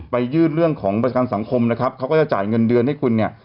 ยื่นเรื่องของประกันสังคมนะครับเขาก็จะจ่ายเงินเดือนให้คุณเนี่ย